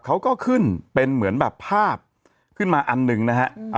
เขาก็ขึ้นเป็นเหมือนแบบภาพขึ้นมาอันหนึ่งนะฮะ